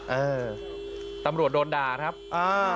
เออตำรวจโดนด่าครับอ่า